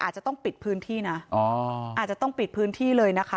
อาจจะต้องปิดพื้นที่นะอาจจะต้องปิดพื้นที่เลยนะคะ